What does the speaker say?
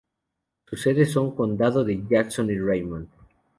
Sus sedes de condado son Jackson y Raymond.